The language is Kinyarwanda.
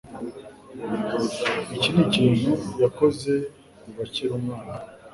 Iki nikintu yakoze kuva akiri umwana